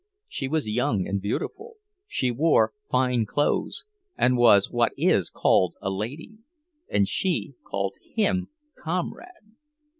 She was young and beautiful; she wore fine clothes, and was what is called a "lady." And she called him "comrade"!